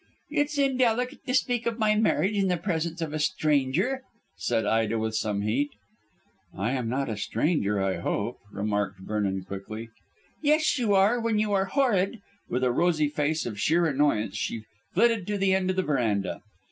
"It's indelicate to speak of my marriage in the presence of a stranger," said Ida with some heat. "I am not a stranger, I hope," remarked Vernon quickly. "Yes, you are, when you are horrid," and with a rosy face of sheer annoyance she flitted to the end of the verandah.